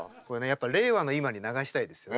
やっぱ令和の今に流したいですよね。